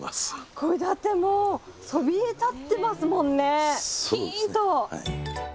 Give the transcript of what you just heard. これだってもうそびえ立ってますもんねピーンと！